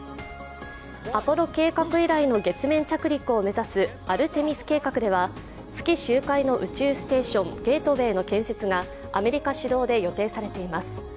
アポロ計画以来の月面着陸を目指すアルテミス計画では月周回の宇宙ステーション、ゲートウェイの建設がアメリカ主導で予定されています。